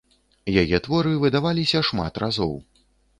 Яе творы выдаваліся шмат разоў.